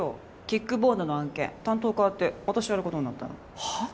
キックボードの案件担当かわって私やることになったのはあ？